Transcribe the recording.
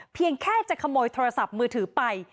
เพียงแค่จะขโมยโทรศัพท์มือถือไป